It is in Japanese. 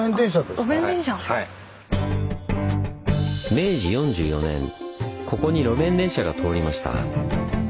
明治４４年ここに路面電車が通りました。